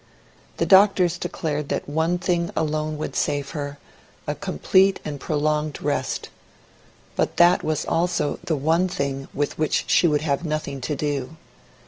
The doctors declared that one thing alone would save her a complete and prolonged rest. But that was also the one thing with which she would have nothing to do.